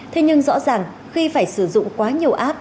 thế nhưng rõ ràng khi phải sử dụng quá nhiều app